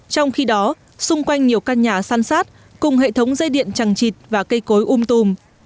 trong khi đó xung quanh nhiều căn nhà săn sát cùng hệ thống dây điện chẳng chịt và cây cối um tùm